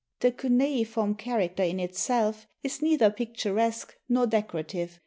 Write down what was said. The cuneiform character in itself is neither pictur esque nor decorative.